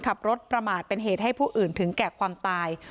ขับรถประมาทเป็นเหตุให้ผู้อื่นถึงแก่ความตาย